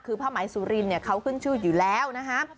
คือผ้าไหมสุรินเนี่ยเขาขึ้นชื่ออยู่แล้วนะฮะ